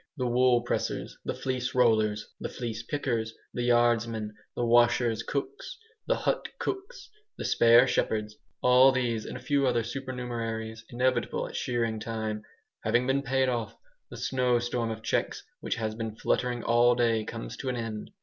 The wool pressers, the fleece rollers, the fleece pickers, the yardsmen, the washers' cooks, the hut cooks, the spare shepherds; all these and a few other supernumeraries inevitable at shearing time, having been paid off, the snowstorm of cheques which has been fluttering all day comes to an end.